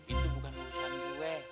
itu bukan urusan gue